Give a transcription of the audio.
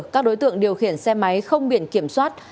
các đối tượng điều khiển xe máy không biển kiểm soát